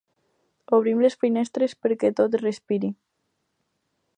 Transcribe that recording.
Obrim les finestres perquè tot respiri.